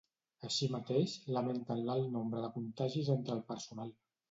Així mateix, lamenten l’alt nombre de contagis entre el personal.